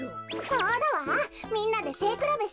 そうだわみんなでせいくらべしてみない？